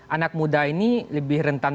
anak muda ini lebih rentan